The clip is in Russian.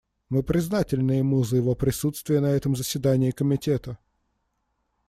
Мы признательны ему за его присутствие на этом заседании Комитета.